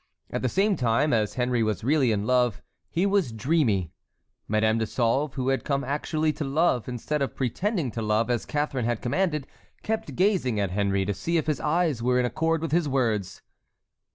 At the same time, as Henry was really in love, he was dreamy. Madame de Sauve, who had come actually to love instead of pretending to love as Catharine had commanded, kept gazing at Henry to see if his eyes were in accord with his words.